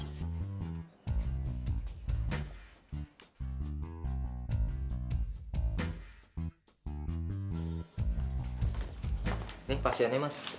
ini pasiennya mas